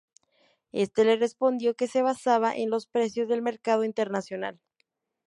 Éste le respondió que se basaban en los precios del mercado internacional.